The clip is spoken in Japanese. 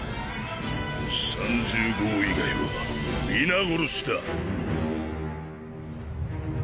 ３０号以外は皆殺しだ。